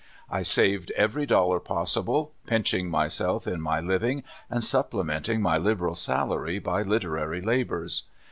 I saved every dollar possible, pinching myself in my living and supplementing my liberal salary by literary labors.